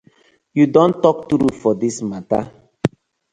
Yu don tok true for dis matter.